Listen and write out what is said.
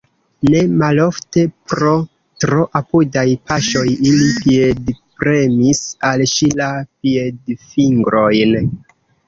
Ne malofte, pro tro apudaj paŝoj, ili piedpremis al ŝi la piedfingrojn.